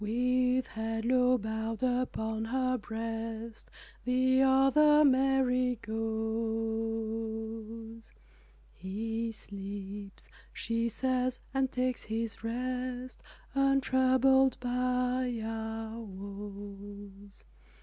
With head low bowed upon her breast The other Mary goes, "He sleeps," she says, "and takes His rest Untroubled by our woes."